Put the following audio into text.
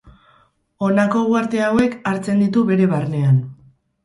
Honako uharte hauek hartzen ditu bere barnean.